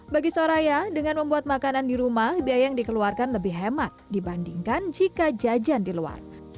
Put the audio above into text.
bagi soraya dengan membuat makanan di rumah biaya yang dikeluarkan lebih hemat dibandingkan jika jajan di luar